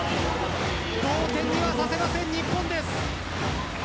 同点にはさせません日本です。